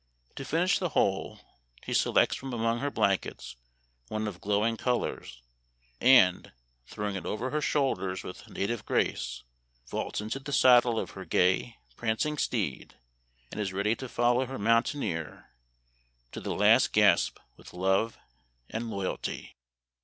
To finish the whole, she selects from among her blankets one of glowing colors, and, throwing it over her shoulders with native grace, vaults into the saddle of her gay, prancing steed, and is ready to follow her mountaineer 'to the last gasp with love and loyalty.'